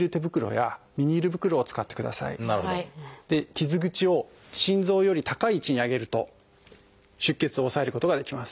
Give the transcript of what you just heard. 傷口を心臓より高い位置に上げると出血を抑えることができます。